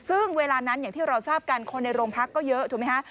ซึ่งเวลานั้นอย่างที่เราทราบกันคนในโรงพักก็เยอะถูกไหมฮะ